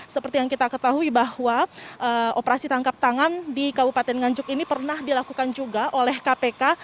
seperti yang kita ketahui bahwa operasi tangkap tangan di kabupaten nganjuk ini pernah dilakukan juga oleh kpk